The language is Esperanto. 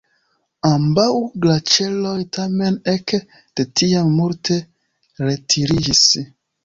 Ambaŭ glaĉeroj tamen ek de tiam multe retiriĝis.